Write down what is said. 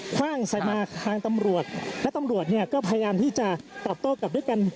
คว่างใส่มาทางตำรวจและตำรวจเนี่ยก็พยายามที่จะตอบโต้กลับด้วยกัน